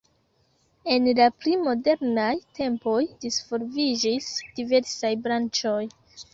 En la pli modernaj tempoj disvolviĝis diversaj branĉoj.